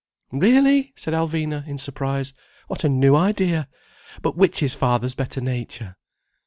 "Really!" said Alvina, in surprise. "What a new idea! But which is father's better nature?"